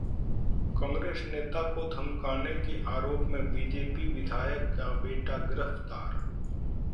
कांग्रेस नेता को धमकाने के आरोप में बीजेपी विधायक का बेटा गिरफ्तार